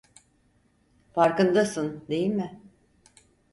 Farkındasın, değil mi?